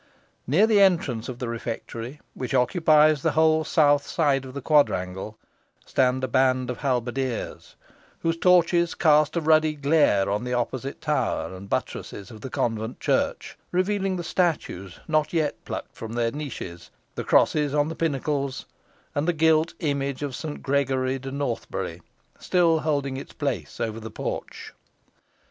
Near the entrance of the refectory, which occupies the whole south side of the quadrangle, stand a band of halberdiers, whose torches cast a ruddy glare on the opposite tower and buttresses of the convent church, revealing the statues not yet plucked from their niches, the crosses on the pinnacles, and the gilt image of Saint Gregory de Northbury, still holding its place over the porch.